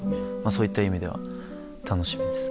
そういった意味では楽しみです。